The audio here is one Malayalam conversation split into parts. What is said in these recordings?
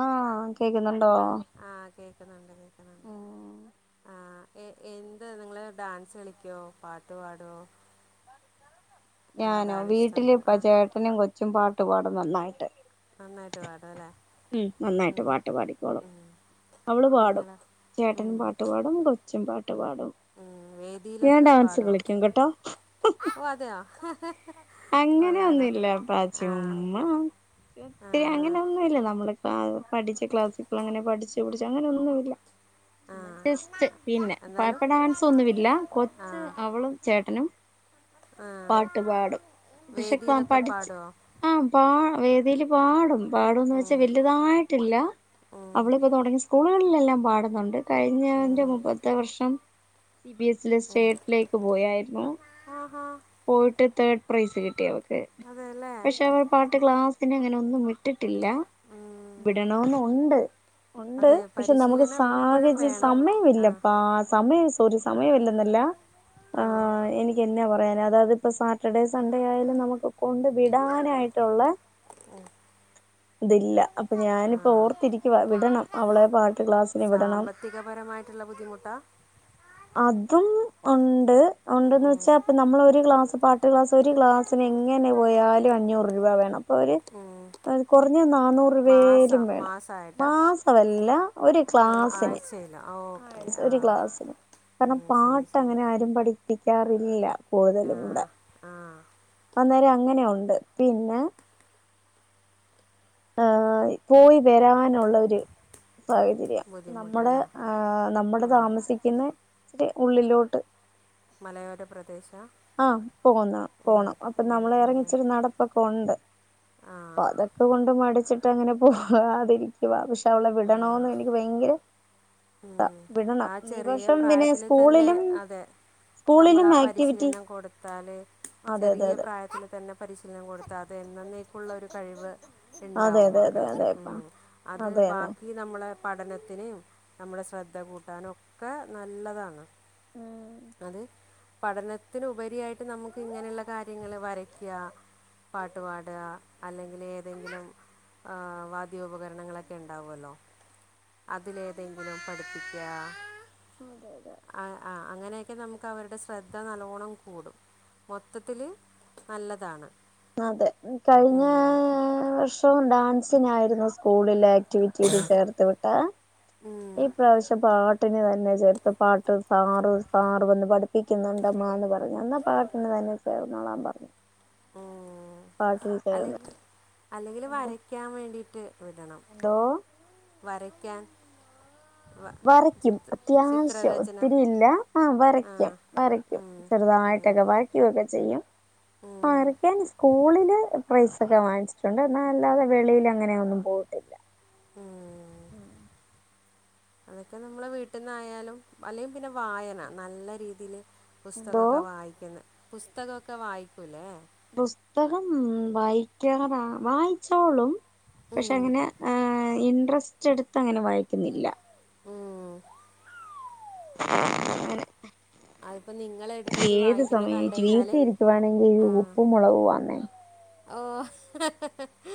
ആ കേക്ക്ന്ന്ണ്ടോ ഒക്കെ നല്ലത് ഓ ആ എന്താ നിങ്ങള് ഡാൻസ് കളിക്ക്യോ പാട്ട് പാട്വോ ഞാനോ വീട്ടിലിപ്പം ചേട്ടനും കൊച്ചും പാ ട്ട് പാടും നന്നായിട്ട് നന്നായിട്ട് പാടും അല്ലേ ഉം നന്നായിട്ട് ഉം, പാട്ട് പാടിക്കോളും ഉം. അവള് പാടും നിങ്ങളോ ചേട്ടനും ഉം, പാട്ട് പാടും കൊച്ചും പാ പാട്ട് പാടും ഉം. ഞാൻ വേദിയിലൊക്കെ ഡാൻസ് പാടുമോ കളിക്കും കേട്ടോ ഓ അതെയോ കൊള്ളാലോ ആ അങ്ങനെന്നുവില്ലപ്പാചുമ്മാ ആ [unintelligible] അങ്ങനെ ഒന്നുവില്ല നമ്മളോ [unintelligible] പഠിച്ച ക്ലാസ്സിപ്പളങ്ങനെ പഠിച്ചു പഠിച്ചു അങ്ങനൊന്നുല്ല ആ ജസ്റ്റ് പിന്നെ പാട്ട എന്നാലും ഡാൻസ് ഒന്നുവില്ല ആ കൊച്ച് അവളും ചേട്ടനും ആ പാട്ട് പാടും വിശക്ക്വം വേദിയിലൊക്കെ പഠിച്ച് പാടുമോ ആ പാ വേദിയില് പാടും പാടൊന്നു വെച്ചാ ഉം, വെല്ല്യതായിട്ടില്ല ഉം, അവളിപ്പോ തൊടങ്ങി സ്കൂളുകളി ല്ലാം പാട്ന്നുണ്ട് ഉം, കഴിഞ്ഞന്റെ മുൻപ്പത്തെ വർഷം സി ബി എസ് ലെ ഉം. സ്റ്റേറ്റിലേക്ക് പോയായിര്ന്നു ആഹാ പോയിട്ട് തേ പ്രൈസ് കിട്ടിയോ [unintelligible] അതെ അല്ലേ പക്ഷെ അവൾ പാട്ട് ക്ലാസ് ഇന്നങ്ങനൊന്നും വിട്ട് ട്ടില്ല ഉം. വിടണൊന്നൊണ്ട് ഒണ്ട് അതെ പക്ഷെ നമക്ക് പരിശീലനം എപ്പോഴും സാഹച വേണം ആ സമയവില്ലപ്പാ സമയ സ് ഒര് സമയമില്ലെന്നല്ല ആ എനിക്ക്ക്കെന്നാ പറയാൻ അതായത് പ്പം സ റ്റർഡേ സൺഡേ ആയാലും നമുക്ക് കൊണ്ട് വിടാനായിട്ടൊള്ളെ ഓ തില്ല അപ്പൊ ആ ഞാനിപ്പോ ഓർത്തിരിക്കുവ വിടണം അവളെ പാട്ട് ക്ലാസിന് വിടണം സാമ്പത്തികപരമായിട്ടുള്ള ബുദ്ധിമുട്ടാ അതും ഉണ്ട് ഉണ്ടന്ന് ഉം, വെച്ചാപ്പ നമ്മൾ ഒരു ഗ്ലാസ് പാട്ട് ഗ്ലാസ് ഒരു ഗ്ലാസ്സിന് എങ്ങനെ പോയാലും അഞ്ഞൂറ് രൂപ വേണം ഒരു ഉം. കുറഞ്ഞ നന്നൂറ് മാസ രൂപേലും വേണം മാസമായിട്ടാ മാസ വല്ല ഒരു ആ ക്ലാസിന് ആഴ്ചയിലോ ആ ഓക്കെ ആ ഒരു ക്ലാസിന് കാരണം ഉം, ശരി പാട്ട് ശരി അങ്ങനെ ആരും പഠിക്ക ടിക്കാറില്ല ആ കൂടുതലും ഇവിടെ ആ അന്നേരം അങ്ങനെ ഉ ണ്ട് പിന്നെ പോയി വരാൻ സാഹചര്യം നമ്മുടെ ബുദ്ധിമുട്ടല്ലേ നമ്മുടെ ഉം. താമസിക്കുന്ന ദേ ഉള്ളിലോട്ട് മലയോര പ്രദേശ ആഹ പോന്ന ഉം, പോണം അപ്പൊ ഉം, നമ്മൾ ഉം. ഇറങ്ങിച്ചൊരു നടപ്പൊക്കെ ഉണ്ട് ആ അപ്പ അതൊക്കെ കൊണ്ട് മടിച്ചി മ അങ്ങനെ പോകാതിരിക്കവാ പക്ഷെ അവളെ ആ വിടണോന്ന് എനിക്ക് ഭയങ്കര ഇ വിടണം ഇനീപ്പ പ്രായത്തി തന്നെ അതെ നമ്മൾ സ്കൂളിലും ആ ആക്ടിവിറ്റി പരിശീലനം കൊടുത്താല് അതെ അതെ ചെറിയ അതെ പ്രായത്തി തന്നെ പരിശീലനം കൊടുത്താതെ എന്നേന്നെക്കുള്ള ഒരു കഴിവ് അതെ ഉണ്ടാവും അതെ അതെ മക്കൾക്ക് ഉ അതെപ്പാ അത് അതെന്നെ ബാക്കി നമ്മളെ പഠനത്തിന് നമ്മുടെ ശ്രദ്ധ കൂട്ട കട്ടാനൊക്കെ നല്ലതാണ് ഉം അത് പഠനത്തിനുപരിയായിട്ട് നമുക്ക് ഇങ്ങനെയുള്ള കാര്യങ്ങൾ വരക്കുക പാട്ട് പാടുക അല്ലെങ്കിൽ ഏതെങ്കിലും വാദ്യോപകരണങ്ങളൊക്കെ ഉണ്ടാവുമല്ലോ അതിലേതെങ്കിലും പഠിപ്പിക്ക പാ [unintelligible] അതെ അതെ ആ ആ അങ്ങനെയൊക്കെ നമുക്ക് അവരുടെ ശ്രദ്ധ നല്ലവോണം കൂടും മൊത്തത്തിൽ നല്ലതാണ് അതെ കഴിഞ്ഞ വർഷംണ്ട സിനായിരുന്നു സ്കൂളിലേ റ്റ വിറ്റിട്ട ചേർത്ത് വിട്ടാ ഈ പ്രാവശ്യം പ പാട്ടിനെ തന്നെ ചേർത്ത് പാട്ട് സാറു സാറ വന്ന് പഠിപ്പിക്കുന്നുണ്ടമ്മ എന്ന് പറഞ്ഞു എന്നാ പാട്ടിനു തന്നെ ചേർന്നോളൻ പറഞ്ഞു പാട്ടിൽ അല്ലെ ചേർന്ന് അല്ലെങ്കിൽ എന്തോ വരക്കാൻ വേണ്ടിട്ട് വിടണം എന്തോ വരക്കാൻ വരയ്ക്കും അത്യാവശ്യം ചിത്രരചന ഒത്തിരി ഇല്ല ആ വരയ്ക്കും വരയ്ക്കും ഉം, ഉം, ചെറുതായിട്ടൊക്കെ വരയ്ക്കുകൊക്കെ ചെയ്യും ഉം, വരയ്ക്കാൻ സ്കൂളില് പൈസൊക്കെ വാങ്ങിച്ചിട്ടുണ്ട് എന്ന അല്ലാതെ വെളിൽ അങ്ങനെയ ഒന്നും പോട്ടില്ല ഉം അതൊക്കെ നമ്മളെ വീട്ടിൽന്നായാലും അല്ലെങ്ക പിന്നെ വായന നല്ല രീതിയില് എന്തോ പുസ്തകമൊക്കെ വായിക്കുന്നു പുസ്തകമൊക്കെ വായിക്കൂലേ പുസ്തകം വായിക്കാറാ വായിച്ചോളും പക്ഷെ ഉം, അങ്ങനെ ആ ഇൻട്രസ്റ്റ് എടുത്ത് അങ്ങനെ വായിക്കുന്നില്ല ഉം. ആ അതിപ്പോൾ നിങ്ങൾ എടുത്തിട്ട് ഏത് വായിക്കുന്ന സമയം കണ്ടു കഴിഞ്ഞാൽ വീട്ടിൽ ഇരിക്കുവാണെങ്കിൽ ആ ഉപ്പും മുളകു വന്നേ ഓ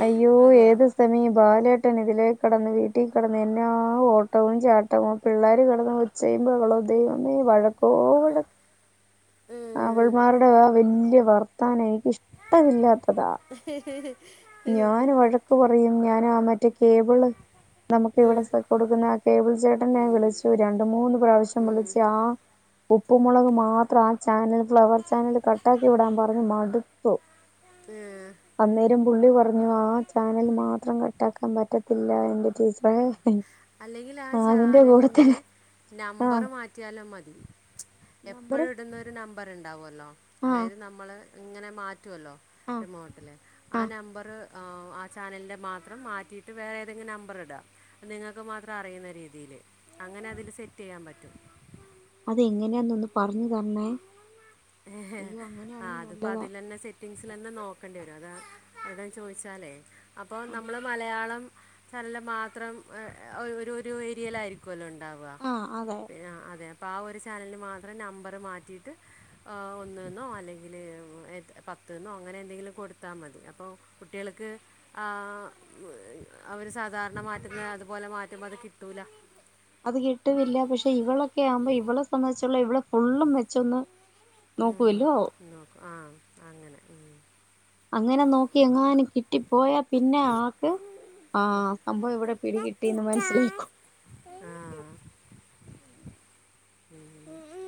അയ്യോ അതെയോ ഏത് സമയം ബാലേട്ടൻ ഇതിലേ കിടന്ന് വീട്ടീൽ കിടന്ന് എന്നാ ഓട്ടവും ചാട്ടവും, പിള്ളേര് കിടന്ന് ഒച്ചയും ബഹളവും ദൈവമേ വഴക്കോടെ ആ ഉം. അവൾമാരുടെ ആ വല്യ വർത്താനവേ ഇഷ്ടമില്ലാത്തതാ, ഞാൻ വഴക്കു പറ പറയും ഞാനാ മറ്റേ കേബിള് നമുക്ക് ഇവിടെ ഉം. കൊടുക്കുന്ന ആ കേബിൾ ചേട്ടനെ വിളിച്ചു രണ്ടു, മൂന്ന് പ്രാവശ്യം ഉം. വിളിച്ചു ആ ഉപ്പു മുുളക് മാത്രം ചാനൽ ഫ്ലവർ ചാനല് കട്ടാക്കി വിടാൻ പറഞ്ഞു മടുത്തു, ഉം. അന്നേരം പുള്ളി പറഞ്ഞു ആ ചാനൽ മാത്രം കട്ടാക്കാൻ പറ്റത്തില്ല എന്റെ ടീച്ചറെ അല്ലെങ്കിൽ ആ അതിന്റെ കൂടെ ചാനലിന്റെ തന്നെ നമ്പർ ആഹ് മാറ്റിയാലും മതി അ എപ്പോഴും നമ്പര് ഇടുന്നൊരു നമ്പ നമ്പർ ഉണ്ടാവും അല്ലോ ആഹ് അതായത് നമ്മള് ഇങ്ങനെ മാറ്റ പറ്റുവല്ലോ ആഹ് റിമോട്ടില ആ ആഹ് നമ്പറ് ആ, ചാനലിൻ്റെ മാത്രം മാറ്റിയിട്ട് വേറെ ഏതെങ്കിലും നമ്പർ ഇടുക. നിങ്ങ മാത്രം അറിയുന്ന രീതിൽ അങ്ങനെ അതിൽ സെറ്റ് ചെയ്യാൻ പറ്റും അതെങ്ങനെയാന്ന് ഒന്ന് പറഞ്ഞു തന്നേ [unintelligible] ആ, അതിപ്പോ അതിലന്നെ സെ സെറ്റിങ്ങ്സിൽ തന്നെ നോക്കേണ്ടി വരും അതാ, എവിടാന്ന് ചോദിച്ചാലേ അപ്പോൾ ആഹ് നമ്മൾ മലയാളം നല്ല മാത്രം ഒരു ഒരു ഏരിയയിലായിരിക്കുവല്ലോ, ഉണ്ട് ആഹ് അതെ [unintelligible] അപ്പം ആ ഒരു ചാനലിന് മാത്രം നമ്പർ മാറ്റിയിട്ട് ഒന്നെന്നോ അല്ലെങ്കിൽ പത്തന്നോ അങ്ങനെ എന്തെങ്കിലും കൊടുത്താൽ മതി, അപ്പോൾ കുട്ടികൾക്ക് അവര് സാധാരണ മാറ്റുമ്പം അതുപോലെ മാറ്റുമ്പം അത് കിട്ടൂല. അത് കിട്ടുന്നില്ല, പക്ഷെ ഇവളൊക്കെ ആവുമ്പോ ഇവളെ സംബന്ധിച്ചോളം ഇവള് ഫുള്ളും വെച്ചൊന്ന് നോക്കു ഉം, വല്ലോ നോക്കും ആ അങ്ങനെ ഉം അങ്ങനെ നോക്കി എങ്ങാനും കിട്ടിപ്പോയാ പിന്നെ ആൾക്ക് ആഹ സംഭവം ഇവിടെ പിടികിട്ടിന്ന് മൻസ്സിലാക്കും ഉ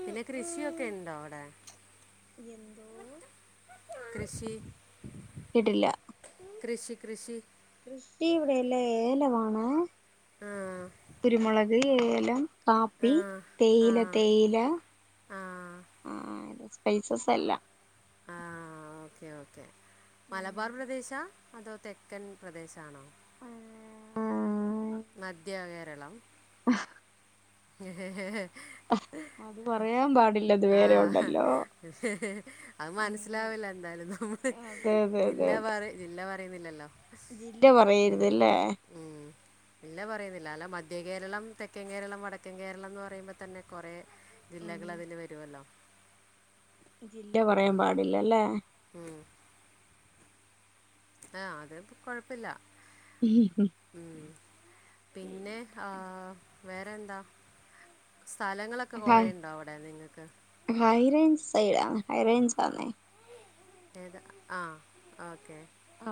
പിന്നെ കൃഷിയൊക്കെ ഇണ്ടോ ആവ്ടെ യെന്തോ കൃഷി ഇടില്ല കൃഷി കൃഷി കൃഷി ഇവിടെല്ല ഏലവാണെ ആ കുരുമുളക് ഏലം ആ കാപ്പി ആ തേയില തേയില ആ ആ രസ പൈസസ് അല്ല ആ ഓക്കെ ഓക്കെ മലബാർ പ്രദേശാ അതോ തെക്കൻ പ്രദേശാണോ ആ ആ മദ്യ ആകെ കേരളം അഹ് ഹെ ഹെ ഹെ ഹെ അത് പറയാൻ പാടില്ല ഇത് ആ വേറെ ഉണ്ടല്ലോ അ് ഉം മന്സിലാവില്ല എന്താലും നമ്മള് അതെ അതെ അതെ ജില്ലാ അതെ മാറി ജില്ല മാ അറിവില്ലല്ലോ ജില്ല പറയരുതല്ലെ ല ല മധ്യ കേരളം തെക്കൻ കേരളം വടക്ക ത്യൻ കേരളം എന്ന് പറയുമ്പ തന്നെ കുറേ ഉം ജില്ലകൾ അതില് വരുവല്ലോ ജില്ല പറയാൻ പാടില്ലല്ലേ ഉം. ആ അത് പ കൊഴപ്പില്ല ഉ പിന്നെ ആ വേറെ എന്താ സ്ഥലങ്ങളൊക്കെ ഹൈ കെറേണ്ടോ അവിടെ നിങ്ങൾക്ക് ഹൈറേഞ്ച് സൈഡാ ഹൈറേഞ്ച് ആന്നെ ഏതാ ആഓക്കെ ആ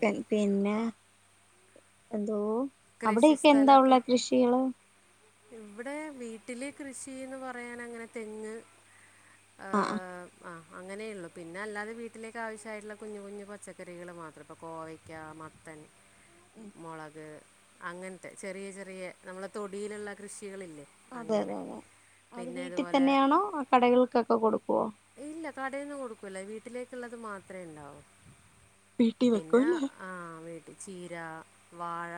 പെൻ പിന്നെ എന്തോ കൃഷി അവിടെയൊക്കെ എന്താ ഉള്ളെ സ്ഥലമൊക്കെ കൃഷികള് ഇവിടെ വീട്ടിലെ കൃഷിന്ന് പറയാൻങ്ങനെ തെങ്ങ് ആ ആ അങ്ങനെ ഉുള്ളു പിന്നെ അല്ലാതെ വീട്ടിലേക്ക് ആവശ്യമായിട്ടുള്ള കുഞ്ഞഞ് കുഞ് പച്ചക്കറികൾ മാത്രം ഇപ്പോൾ കോവയ്ക്ക മത്തൻ മുളക് അങ്ങനത്തെ ചെറിയ ചെറിയ നമ്മളെ തൊടിയിലുള്ള കൃഷികളില്ലേ അതെ അങ്ങനെ അതെ അതെ അത് പിന്നെ വീട്ടിൽ ഇതുപോലെ തന്നെയാണോ ആ കടകൾക്കൊക്കെ കൊടുക്കും ഇല്ല കടേന്ന് കൊടുക്കൂല്ല വീട്ടിലേക്കുള്ളത് മാത്രമേ ഉണ്ടാവൂ വീട്ടി പിന്നെ വെക്കുംല്ലേ ആ വീട് ചീര, വാഴ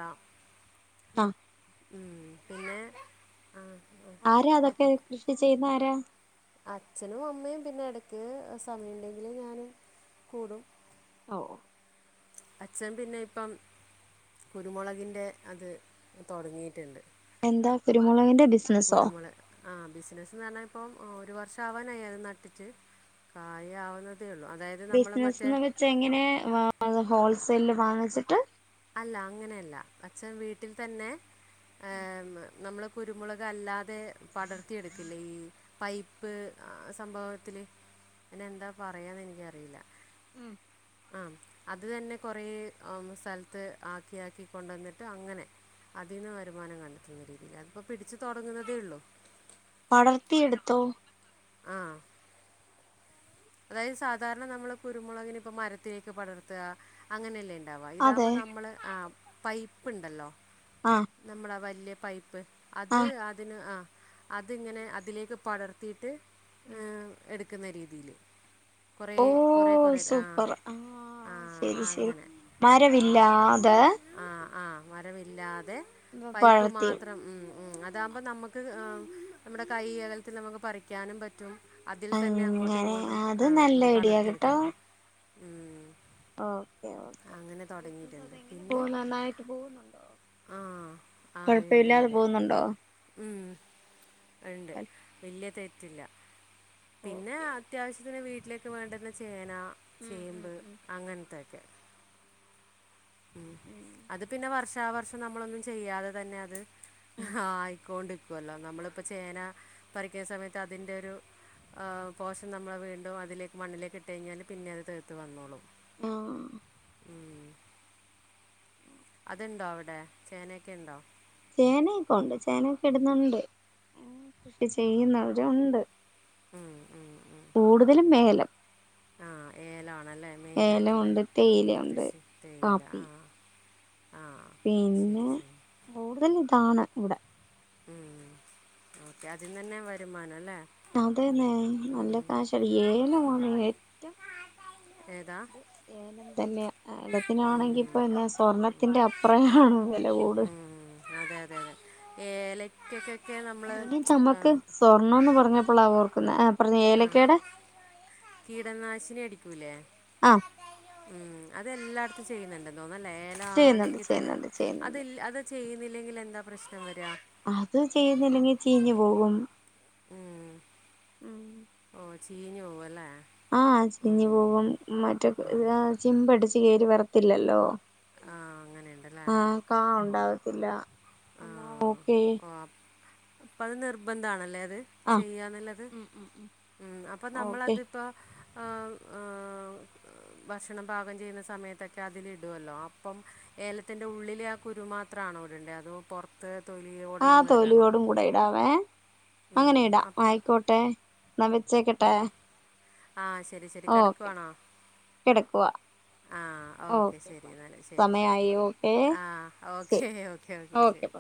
ആ ഉം പിന്നെ ആ ആ, ആരാ ആ അതൊക്കെ കൃഷി ചെയ്യുന്നെ ആരാ അച്ഛനും അമ്മയും പിന്നെ എടക്ക് സമയുണ്ടെങ്കില് ഞാനും കൂടും ഓ ഓ അച്ഛൻ പിന്നെ ഇപ്പം കുരുമുളകിന്റെ അത് തുടങ്ങിയിട്ടുണ്ട് എന്താ കുരുമുളകിന്റെ ബിസിനസ്സോ കുരുമുളെ ആ ബിസിനസ്സ്ന്ന് പറഞ്ഞാ ഇപ്പം ആ ഒരു വർഷം ആവാനായി അത് നട്ടിട്ട് കായ ആവുന്നത് ബിസിനസ്സ്ന്ന് വെച്ച എങ്ങനെ വാ ഹോൾസ് സെല് വാങ്ങിച്ചിട്ട് അല്ല അങ്ങനെയല്ല അച്ഛൻ വീട്ടിൽ തന്നെ ആ നമ്മള് കുരുമുളകല്ലാതെ പടർത്തിയെടുക്കില്ലേ ഈ പൈപ്പ് സംഭവത്തില് അതിനെന്താ പറയാന്ന് എനിക്കറിയില്ല ആഹ് അത് തന്നെ കുറെേ ആം സ്ഥലത്ത് ത്ത് ആക്കിയ ആക്കി കൊണ്ടുവന്നിട്ട് അങ്ങനെ അതീന്ന് വരുമാനം കണ്ടെത്തുന്ന രീതിയിൽ അ ഇപ്പോ പിടിച്ച് തുടങ്ങുന്നതേ ഉള്ളൂ പടർത്തി എടുത്തോ ആഹ് അതായത് സാധാരണ നമ്മള് കുരുമുളകിനെ ഇപ്പ മരത്തിലേക്ക് പടർത്തുക അങ്ങനെയല്ലേ ഉണ്ടാവുക അതെ ഇതാകുമ്പോൾ നമ്മള് ആ പൈപ്പ്ണ്ടല്ലോ ആഹ് നമ്മള വല്യ പൈപ്പ് അത് ആഹ് അതിന് ആഹ് അതിങ്ങനെ അതിലേക്ക് പടർത്തിയിട്ട് ഉം നിക്കുന്ന രീതീല് കൊറെ കൊറെ ഓഹ് കൊറെ ആയിട്ട് സൂപ്പർ ആ ആഹ് ശരി ആ ശരി അങ്ങനെ ആ മരവില്ലാതെ ആ ആ മരവില്ലാത് ല്ലാതെ പൈപ്പ് വളർത്തി മാത്രം ഉം ഉം അതാകുമ്പോൾ നമുക്ക് നമ്മടെ കൈയകലത്തിൽ നമുക്ക് പറിക്കാനും പറ്റും അതിൽ തന്നെ അങ്ങോട്ടും ഇങ്ങോട്ടും ഇത് ഉം, നല്ല ഉം, ഐഡിയ കേട്ടോ പടർത്തിയെടുക്കുന്നു ഉം ഓക്കെ ഓക്കേ [unintelligible] അങ്ങനെ അത് തുടങ്ങിയിട്ടുണ്ട് എങ്ങനെ പിന്നെ പോവുന്നു നന്നായിട്ട് പോകുന്നുണ്ടോ ആ ആ ഉണ്ട് കൊഴപ്പില്ലാതെ ഉണ്ട് പോകുന്നുണ്ടോ ഉം. [inaudible] ത്തില്ല പിന്നെ ഓക്കെ അത്യാവശ്യം വീട്ടിലേക്ക് വേണ്ടന്ന ചെയ്യാൻ ചേന ഉം ഉം ചേമ്പ് ഉം അങ്ങനത്തെ ഉ അത് പിന്നെ വർഷ ആ വർഷം നമ്മളൊന്നും ചെയ്യാതെ തന്നെ അത് ഹാ ആയിക്കോണ്ട് വിക്കുമല്ലോ നമ്മളിപ്പോൾ ചേന പറിക്കുന്ന സമയത്ത് അതിൻ്റെ ഒരു പോഷൻ നമ്മൾ വീണ്ടും അതിലേക്ക് മണ്ണിലേക്ക് ഇട്ട കഴിഞ്ഞാൽ പിന്നെ അത് തെളിർത്ത് വന്നോളും ആം... ഉം. അതുണ്ടോ അവിടെ ചേനയൊക്കെ ഉണ്ടോ ചേനയൊക്കെ ഉണ്ട് ചേനൊക്കെ ഇടുന്നുണ്ട് കൃഷി ചെയ്യുന്നവരുണ്ട് ഉം, ഉം, ഉം. കൂടുതലും ഏലം ആ ഏലാണ് ണല്ലേ മെയിനായിട്ടുള്ള ഏലമുണ്ട് തേയിലയുണ്ട് കൃഷി തേയില കാപ്പി ആ ആ പിന്നെ ശരി ശരി കൂടുതൽ ഇതാണ് ഇവിടെ ഉം ഓക്കെ അതിന്ന് തന്നെ വരുമാനം അല്ലേ അം [unintelligible] നല്ല ഉം. കാശാ ഏലവാണ് ഏറ്റവും ഏതാ ഇത് ഏലം തന്നെയ ഏലത്തിനാണെങ്കി ഇപ്പോ എന്നാ സ്വർണത്തിന്റെ അപ്രാണ് വില കൂടുൽ ഏലക്കക്ക് ഇനി നമുക്ക് സ്വർണന്ന് പറഞ്ഞപ്പോളാ ഓർക്കുന്ന ആ പറഞ്ഞു ഏലക്കേടെ കീടനാശിനി അടിക്കൂല്ലേ ആഹ് ഉം അതെല്ലാ ചെയ്യുന്നുണ്ട് ഒന്ന് ലേല ചെയ്യുന്നുണ്ട് ആണെങ്കിൽ തന്നെ ചെയ്യുന്നുണ്ട് അത് ചെയ്യുന്നുണ്ട് അത് ചെയ്യുന്നില്ലെങ്കിൽ എന്താ പ്രശ്നം വരാ അത് ചെയ്യുന്നില്ലെങ്കിൽ ചീഞ്ഞ് പോകും അ ഉം ചീഞ്ഞ് പോവുല്ലേ ആ ചീഞ്ഞ് പോകും മറ്റെ ഉം. ചിമ്പടിച്ച് കേറി വരത്തില്ലല്ലോ. ആ അങ്ങനെയുണ്ടല്ലേ ആ കാ ഉണ്ടാവും ത്തില്ല എന്നാ ഓക്കെ ആ അപ്പൊ അത് നിർബന്ധവാണല്ലേ ആഹ് ചെയ്യാന്നുള്ളത് ഉം ഉം ഉം അപ്പൊ ഓക്കെ നമ്മളതിപ്പോ ആ ആ ഭക്ഷണം പാകം ചെയ്യുന്ന സമയത്തൊക്കെ അതില് ഇടുവല്ലോ അപ്പം ഏലത്തിൻ്റെ ഉള്ളിലെ ആ കുരു മാത്രണോ ഇടണ്ടേ അതോ പുറത്ത് തൊലിയോടെ ആ നമ്മള് ഇടണോ തൊലിയോടും [unintelligible] അങ്ങനെ ഉം, ഇടാം അപ്പം ആയിക്കോട്ടെ എന്നാ വെച്ചേക്കട്ടെ ആ ശരി ശരി ഓക്കെ കിടക്കുവാണോ കിടക്കുവാ ആ ഓക്കെ ശരി എന്നാൽ ശരി ശരി സമയായി ഓക്കെ ആ ശരി ഓക്കെ ഓക്കെ ഓക്കെ ശരി